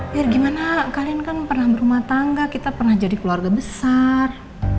biar gimana kalian kan pernah berumah tangga kita pernah jadi keluarga besar